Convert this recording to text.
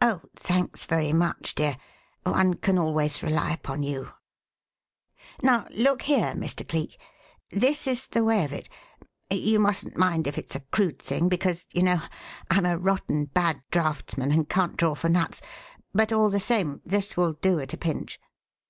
Oh, thanks very much, dear. One can always rely upon you. Now, look here, Mr. Cleek this is the way of it. You mustn't mind if it's a crude thing, because, you know, I'm a rotten bad draughtsman and can't draw for nuts. But all the same, this will do at a pinch."